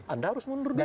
anda harus mundur dulu